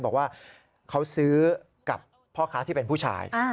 บอกว่าเขาซื้อกับพ่อค้าที่เป็นผู้ชาย